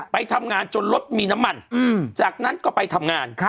ไปทำงานจนรถมีน้ำมันจากนั้นก็ไปทำงาน